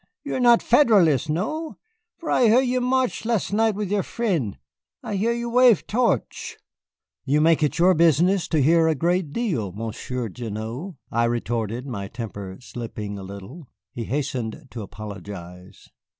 You are not Federalist, no, for I hear you march las' night with your frien', I hear you wave torch." "You make it your business to hear a great deal, Monsieur Gignoux," I retorted, my temper slipping a little. He hastened to apologize.